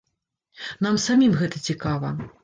Нам самім гэта цікава.